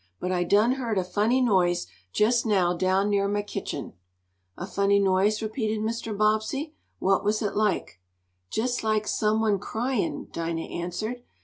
"But I done heard a funny noise jest now down near mah kitchen." "A funny noise?" repeated Mr. Bobbsey. "What was it like?" "Jes like some one cryin'," Dinah answered.